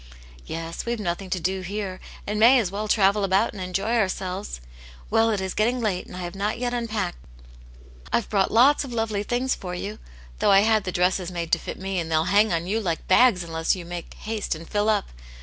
" Yes, we've nothing to do here, and may as well travel about and enjoy ourselves. Well, it is getting late, and I have not unpacked yet I've brought lots of lovely things for you. Though I had the dresses made to fit me, and they'll hang on you like bags unless you make haste and fill up.